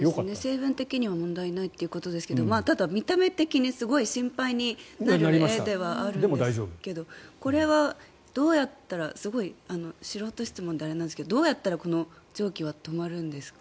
成分的には問題ないということですがただ、見た目的にすごく心配になる画ではありますけどすごい素人質問であれですがどうやったらこの蒸気は止まるんですか？